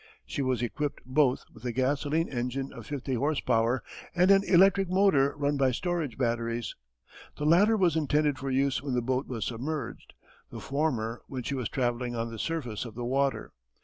She was equipped both with a gasoline engine of fifty horse power and an electric motor run by storage batteries. The latter was intended for use when the boat was submerged, the former when she was travelling on the surface of the water.